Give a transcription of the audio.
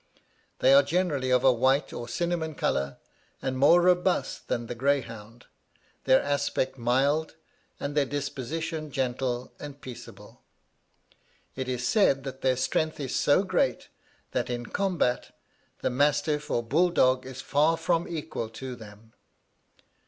They are generally of a white or cinnamon colour, and more robust than the greyhound their aspect mild, and their disposition gentle and peaceable. It is said that their strength is so great, that in combat the mastiff or bull dog is far from equal to them.